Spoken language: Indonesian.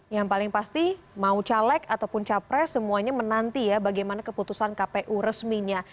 yang paling pasti mau caleg ataupun capres semuanya menanti ya bagaimana keputusan kpu resminya